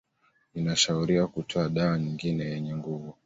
Inashauriwa kutoa dawa nyingine yenye nguvu